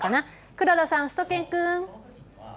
黒田さん、しゅと犬くん。